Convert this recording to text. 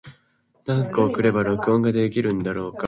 何個送れば録音ができるんだろうか。